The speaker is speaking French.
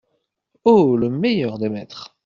Oh ! le meilleur des maîtres !